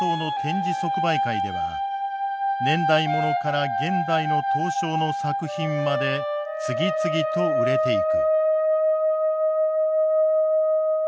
即売会では年代物から現代の刀匠の作品まで次々と売れていく。